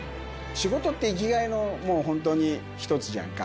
仕事って生きがいの、もう本当に一つじゃんか。